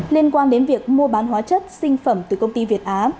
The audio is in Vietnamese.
liên quan đến việc mua bán hóa chất sinh phẩm từ công ty việt á